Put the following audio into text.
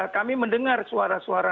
kami mendengar suara suara